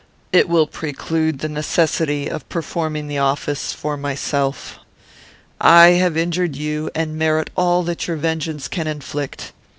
It will preclude the necessity of performing the office for myself. I have injured you, and merit all that your vengeance can inflict.